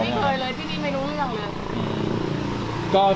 ไม่เคยเลยพี่นี่ไม่รู้เรื่องเลย